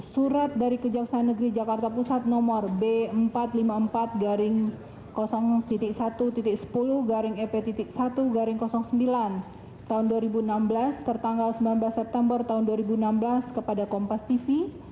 surat dari kejaksaan negeri jakarta pusat nomor b empat ratus lima puluh empat satu sepuluh ep satu sembilan tahun dua ribu enam belas tertanggal sembilan belas september tahun dua ribu enam belas kepada kompas tv